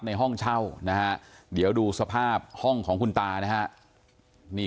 ห้องเช่านะฮะเดี๋ยวดูสภาพห้องของคุณตานะฮะนี่